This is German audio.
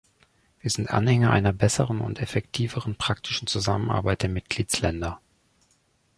Wir sind Anhänger einer besseren und effektiveren praktischen Zusammenarbeit der Mitgliedsländer.